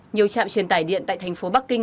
nhiều trạm truyền tải điện tại thành phố bắc kinh